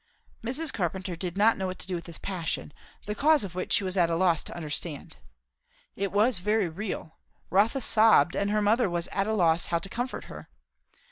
Mrs. Carpenter did not know what to do with this passion, the cause of which she was at a loss to understand. It was very real; Rotha sobbed; and her mother was at a loss how to comfort her.